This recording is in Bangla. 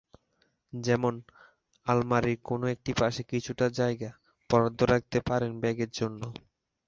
যেমন, আলমারির কোনো একটি পাশে কিছুটা জায়গা বরাদ্দ রাখতে পারেন ব্যাগের জন্য।